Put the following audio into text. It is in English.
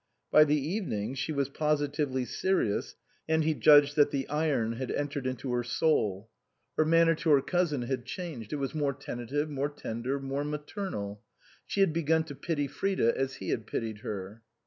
By the evening she was positively serious, and he judged that the iron had entered into her soul. Her 104 INLAND manner to her cousin had changed; it was more tentative, more tender, more maternal. She had begun to pity Frida, as he had pitied her.